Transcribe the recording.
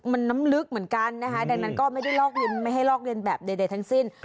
มันน้ำลึกเหมือนกันนะคะดังนั้นก็ไม่ให้ลอกเล็นแบบใดทั้งสิ้น